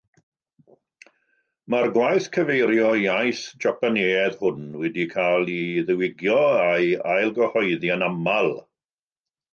Mae'r gwaith cyfeirio iaith Japaneaidd hwn wedi cael ei ddiwygio a'i ailgyhoeddi yn aml.